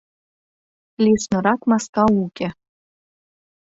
Лишнырак маска уке.